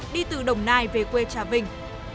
đi từ đồng nai về quê trà vịnh